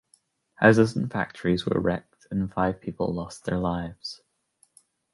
Houses and factories were wrecked and five people lost their lives.